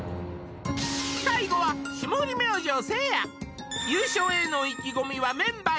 最後は霜降り明星せいや優勝への意気込みはメンバー